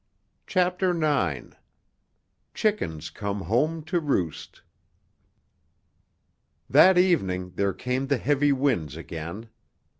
CHAPTER IX—"CHICKENS COME HOME TO ROOST" That evening there came the heavy winds again.